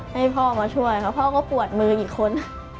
เดินเข้ามาช่วยเพราะพ่อก็ปลวดมืออีกคน